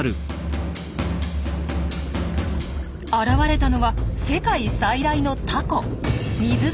現れたのは世界最大のタコ